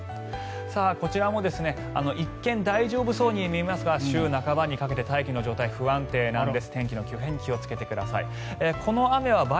こちらも一見大丈夫そうに見えますが週半ばにかけて大気の状態不安定なんです。